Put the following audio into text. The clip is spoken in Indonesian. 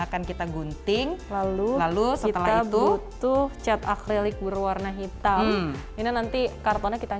akan kita gunting lalu lalu setelah itu tuh cat akrilik berwarna hitam ini nanti kartonnya kita